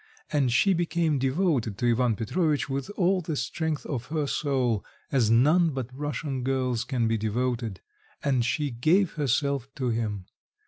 And she became devoted to Ivan Petrovitch with all the strength of her soul, as none but Russian girls can be devoted and she gave herself to him.